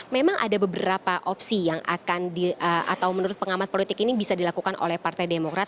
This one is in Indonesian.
memang ada beberapa opsi yang akan di atau menurut pengamat politik ini bisa dilakukan oleh partai demokrat